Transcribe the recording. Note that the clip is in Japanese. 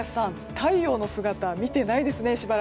太陽の姿、見てないですね。